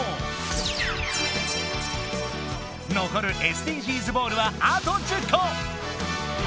ＳＤＧｓボールはあと１０個！